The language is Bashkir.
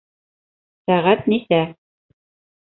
Сәғәт нисә?